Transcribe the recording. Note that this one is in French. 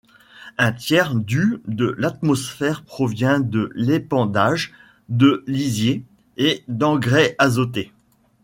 Un tiers du de l'atmosphère provient de l'épandage de lisier et d'engrais azotés.